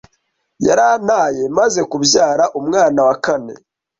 yarantaye maze kubyara umwana wa kane,